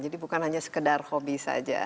jadi bukan hanya sekedar hobi saja